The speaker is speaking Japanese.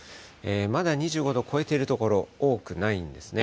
まだ２５度超えている所、多くないんですね。